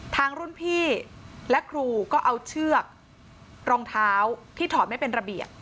ทางรุ่นพี่และครูก็เอาเชือกรองเท้าที่ถอดไม่เป็นระเบียบ